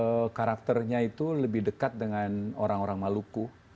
kalau karakternya itu lebih dekat dengan orang orang maluku